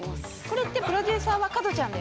これってプロデューサーはカドちゃん？